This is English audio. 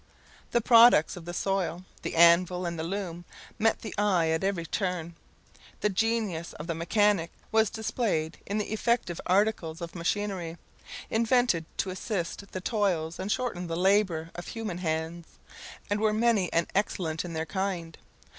The products of the soil, the anvil, and the loom, met the eye at every turn. The genius of the mechanic was displayed in the effective articles of machinery, invented to assist the toils and shorten the labour of human hands, and were many and excellent in their kind.